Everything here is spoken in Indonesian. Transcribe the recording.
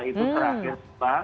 itu terakhir sebang